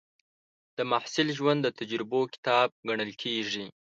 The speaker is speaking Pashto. د محصل ژوند د تجربو کتاب ګڼل کېږي.